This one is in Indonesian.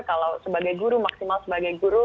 kalau sebagai guru maksimal sebagai guru